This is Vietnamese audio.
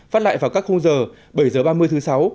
phát lại vào các khung giờ bảy h ba mươi thứ sáu